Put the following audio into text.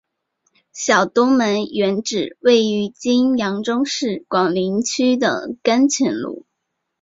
小东门原址位于今扬州市广陵区的甘泉路。